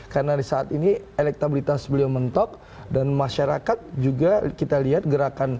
karena saat ini elektabilitas beliau mentok dan masyarakat juga kita lihat gerakan